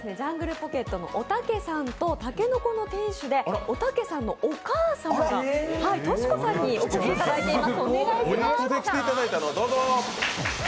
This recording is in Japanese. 今日はジャングルポケットのおたけさんと店主でおたけさんのお母様のトシ子さんにお越しいただいています。